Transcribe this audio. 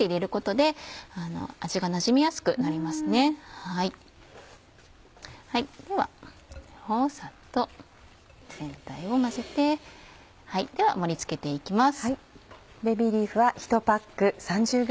ではこれをさっと全体を混ぜて盛り付けて行きます。